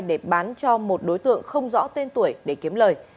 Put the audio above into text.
để bán cho một đối tượng không rõ tên tuổi để kiếm lời